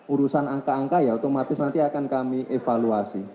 urusan angka angka ya otomatis nanti akan kami evaluasi